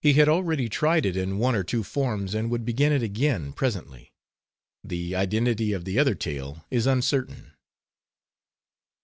He had already tried it in one or two forms and would begin it again presently. The identity of the other tale is uncertain.